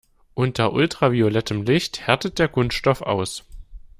Unter ultraviolettem Licht härtet der Kunststoff aus.